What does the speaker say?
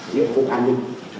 như phục an ninh